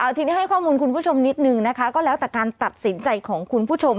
ทีนี้ให้ข้อมูลคุณผู้ชมนิดนึงนะคะก็แล้วแต่การตัดสินใจของคุณผู้ชม